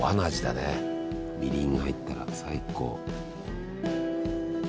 みりんが入ったら最高。